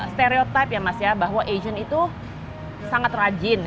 stereotype ya mas ya bahwa asian itu sangat rajin